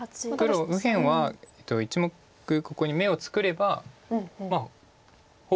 黒右辺は１目ここに眼を作ればまあほぼ１００％。